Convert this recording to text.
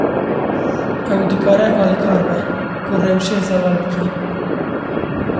Ev dikare alîkar be, ku rewşê zelal bike.